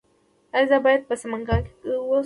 ایا زه باید په سمنګان کې اوسم؟